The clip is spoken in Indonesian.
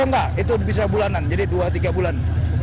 oh enggak itu bisa bulanan jadi dua tiga bulan